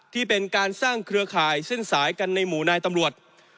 ที่เป็นการสร้างเครือข่ายเส้นสายกันในหมู่นายตำรวจ